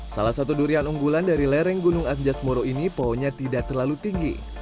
salah satu durian unggulan dari lereng gunung anjas moro ini pohonnya tidak terlalu tinggi